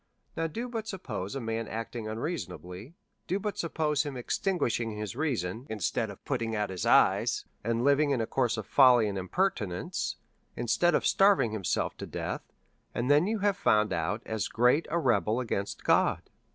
Now, do but suppose a man acting unreasonably ; do but suppose him extinguishing his reason, instead of putting out his eyes, and living in a course of folly and impertinence, instead of starving himself to death, and then you have found out as great a rebel against God.